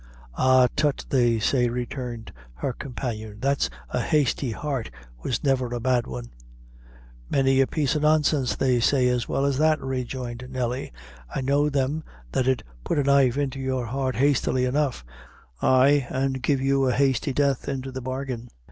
"Ah, tut they say," returned her companion, "that a hasty heart was never a bad one." "Many a piece o' nonsense they say as well as that," rejoined Nelly; "I know them that 'ud put a knife into your heart hastily enough ay, an' give you a hasty death, into the bargain.